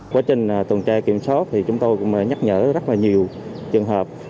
quá trình tuần tra kiểm soát thì chúng tôi cũng nhắc nhở rất là nhiều trường hợp